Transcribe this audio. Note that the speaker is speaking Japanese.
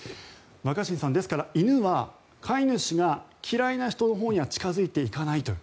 若新さんですから犬は飼い主が嫌いな人のほうには近付いていかないと。